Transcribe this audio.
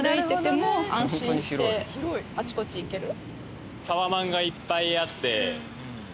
あちこち行ける。って